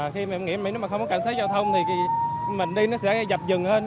khi mà em nghĩ nếu mà không có cảnh sát giao thông thì mình đi nó sẽ dập dừng hơn